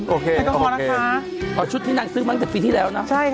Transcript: โอเคแอลกอฮอล์นะคะอ๋อชุดที่นักซื้อมันจากปีที่แล้วน่ะใช่ค่ะ